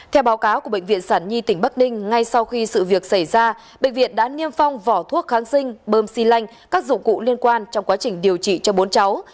theo báo cáo của bệnh viện sản nhi tỉnh bắc ninh ngay sau khi sự việc xảy ra bệnh viện đã niêm phong vỏ thuốc kháng sinh bơm xi lanh các dụng cụ liên quan trong quá trình điều trị cho bốn cháu